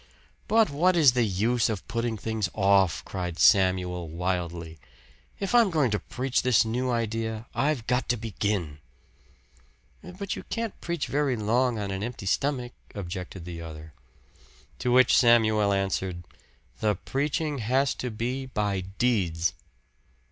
"But what is the use of putting things off?" cried Samuel wildly. "If I'm going to preach this new idea, I've got to begin." "But you can't preach very long on an empty stomach," objected the other. To which Samuel answered, "The preaching has to be by deeds."